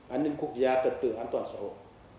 an ninh quốc gia trật tự an toàn xã hội